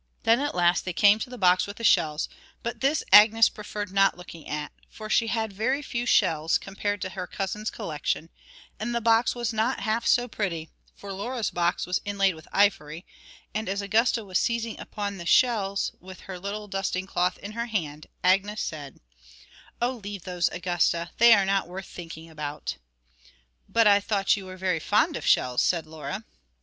Then at last they came to the box with the shells, but this Agnes preferred not looking at, for she had very few shells, compared to her cousin's collection, and the box was not half so pretty, for Laura's box was inlaid with ivory; and as Augusta was seizing upon the shells with her little dusting cloth in her hand, Agnes said: 'Oh, leave those, Augusta; they are not worth thinking about.' 'But I thought you were very fond of shells,' said Laura.